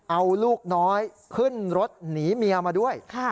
เอาลูกน้อยขึ้นรถหนีเมียมาด้วย